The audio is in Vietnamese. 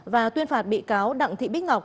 và tuyên phạt bị cáo đặng thị bích ngọc